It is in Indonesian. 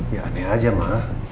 ya aneh aja ma